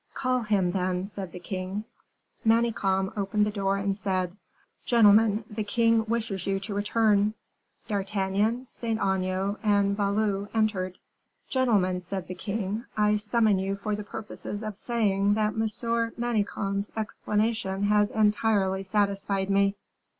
"Call him, then," said the king. Manicamp opened the door, and said, "Gentlemen, the king wishes you to return." D'Artagnan, Saint Aignan, and Valot entered. "Gentlemen," said the king, "I summoned you for the purposes of saying that Monsieur de Manicamp's explanation has entirely satisfied me."